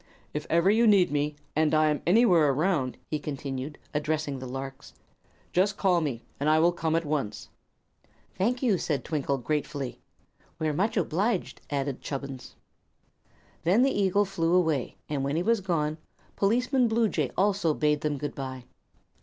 "If ever you need me, and I am anywhere around," he continued, addressing the larks, "just call me, and I will come at once." "Thank you," said Twinkle, gratefully. "We're much obliged," added Chubbins. Then the eagle flew away, and when he was gone Policeman Bluejay also bade them good bye.